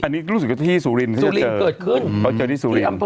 อันนี้ก็รู้สึกว่าที่สูรินที่จะเจอสูรินเกิดขึ้นเขาเจอที่สูริน